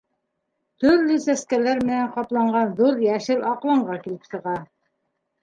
Төрлө сәскәләр менән ҡапланған ҙур йәшел аҡланға килеп сыға.